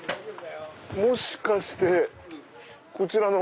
もしかしてこちらの？